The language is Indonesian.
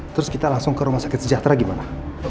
terus kita langsung ke rumah sakit sejahtera gimana